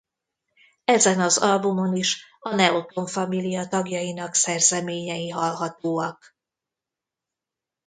Ezen az albumon is a Neoton Família tagjainak szerzeményei hallhatóak.